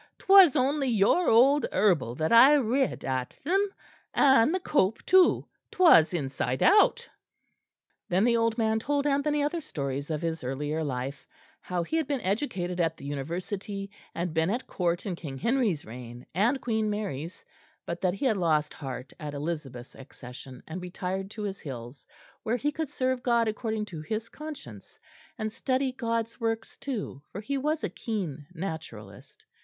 'Twas only your old herbal that I read at them; and the cope too, 'twas inside out.'" Then the old man told Anthony other stories of his earlier life, how he had been educated at the university and been at Court in King Henry's reign and Queen Mary's, but that he had lost heart at Elizabeth's accession, and retired to his hills, where he could serve God according to his conscience, and study God's works too, for he was a keen naturalist.